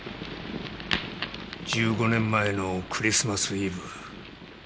１５年前のクリスマスイブ